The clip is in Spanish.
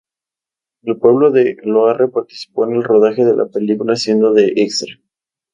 El pueblo de Loarre participó en el rodaje de la película haciendo de extra.